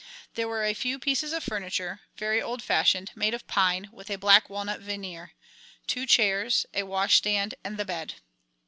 There were a few pieces of furniture, very old fashioned, made of pine, with a black walnut veneer, two chairs, a washstand and the bed.